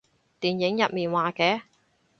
電影入面話嘅